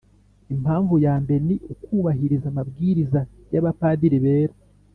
Impamvu ya mbere ni ukubahiriza amabwiriza y'Abapadiri bera.